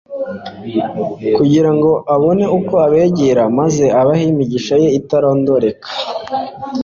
kugira ngo abone uko abegera maze abahe imigisha ye itarondoreka.